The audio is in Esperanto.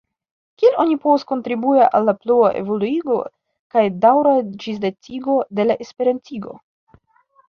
Kiel oni povas kontribui al la plua evoluigo kaj daŭra ĝisdatigo de la esperantigo?